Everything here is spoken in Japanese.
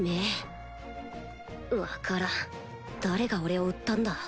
分からん誰が俺を売ったんだ？